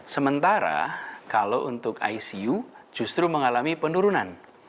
sementara kalau untuk icu justru mengalami penurunan